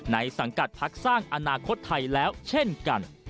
สังกัดพักสร้างอนาคตไทยแล้วเช่นกัน